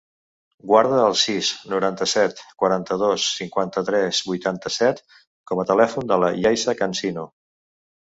Guarda el sis, noranta-set, quaranta-dos, cinquanta-tres, vuitanta-set com a telèfon de la Yaiza Cansino.